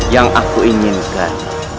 yang aku inginkan